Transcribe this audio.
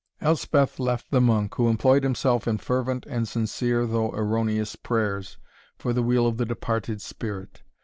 Elspeth left the monk, who employed himself in fervent and sincere, though erroneous prayers, for the weal of the departed spirit.